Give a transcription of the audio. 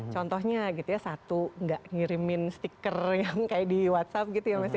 contohnya gitu ya satu nggak ngirimin stiker yang kayak di whatsapp